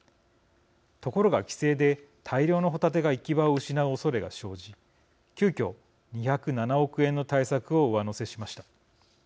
ところが、規制で大量のホタテが行き場を失うおそれが生じ急きょ、２０７億円の対策を上乗せしました。